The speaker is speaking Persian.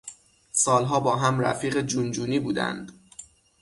سالها با هم رفیق جون جونی بودند.